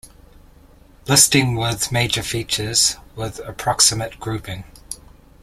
Listing with major features, with approximate grouping.